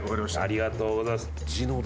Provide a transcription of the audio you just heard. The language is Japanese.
ありがとうございます。